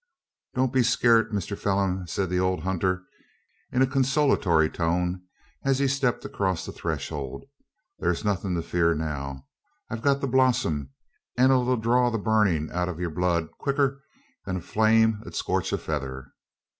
"Don't be skeeart, Mister Pheelum!" said the old hunter, in a consolatory tone, as he stepped across the threshold. "Thur's nothin' to fear now. I hev got the bolsum as 'll draw the burnin' out o' yur blood, quicker 'an flame ud scorch a feather.